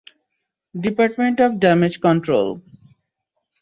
Department of damage control.